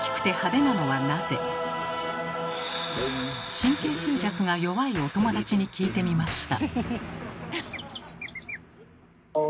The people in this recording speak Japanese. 神経衰弱が弱いお友達に聞いてみました。